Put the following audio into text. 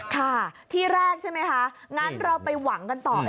ค่ะที่แรกใช่ไหมคะงั้นเราไปหวังกันต่อ